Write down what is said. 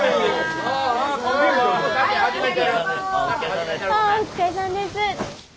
ああお疲れさんです。